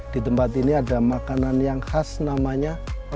di tempat ini ada makanan yang khas namanya